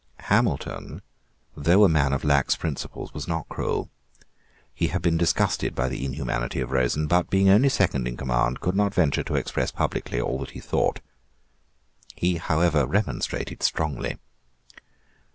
Hamilton, though a man of lax principles, was not cruel. He had been disgusted by the inhumanity of Rosen, but, being only second in command, could not venture to express publicly all that he thought. He however remonstrated strongly.